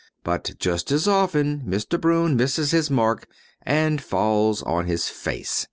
But just as often Mr. Broun misses his mark and falls on his face.